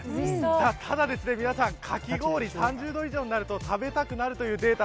ただ皆さんかき氷は３０度以上になると食べたくなるというデータ